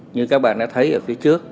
như các bạn đã thấy ở phía trước